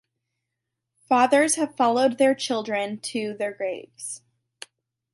Fathers have followed their children to their graves.